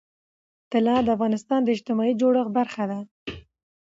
طلا د افغانستان د اجتماعي جوړښت برخه ده.